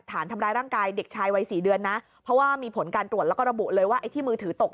ฐานทำร้ายร่างกายเด็กชายวัยสี่เดือนนะเพราะว่ามีผลการตรวจแล้วก็ระบุเลยว่าไอ้ที่มือถือตก